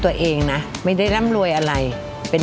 ผลิกบ้านเกลียดเงินพี่น้องมูเอาไปกินแก้ไก่